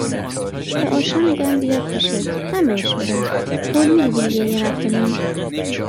به آشا میگم بیاد پیشت، من بهش میگم، قول میدی دیگه گریه نکنی؟